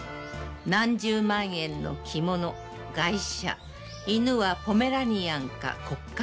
何十万円の着物、外車、犬はポメラニアンかコッカ